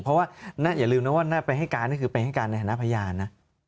เพราะว่าอย่าลืมนะว่าไปให้การก็คือไปให้การในฐานะพยานนะ